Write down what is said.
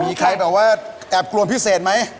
มีใครแบบว่าแอบกวนพิเศษไหม